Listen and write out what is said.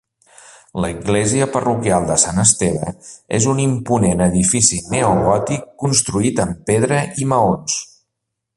L'església parroquial de Sant Esteve és un imponent edifici neogòtic construït en pedra i maons.